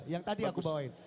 yang tadi aku bawain